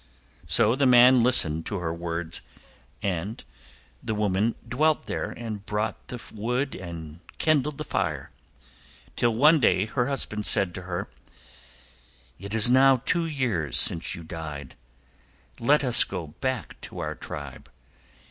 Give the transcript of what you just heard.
So the man listened to her words, and the woman dwelt there and brought the wood and kindled the fire, till one day her husband said to her: "It is now two years since you died. Let us now go back to our tribe.